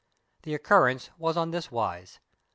The occurrence was on this wise.